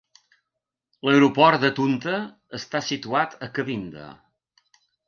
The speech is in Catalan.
L'aeroport de Tunta està situat a Kabinda.